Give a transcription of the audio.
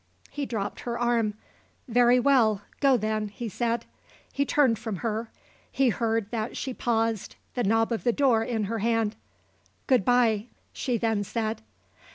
He dropped her arm. "Very well. Go then," he said. He turned from her. He heard that she paused, the knob of the door in her hand. "Good bye," she then said.